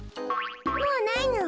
もうないの。